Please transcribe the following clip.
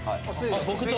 僕と。